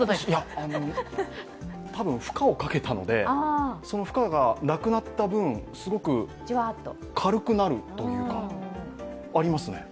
たぶん、負荷をかけたので、その負荷がなくなった分、すごく軽くなるというか、ありますね。